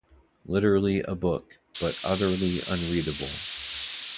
Literally a book, but utterly unreadable.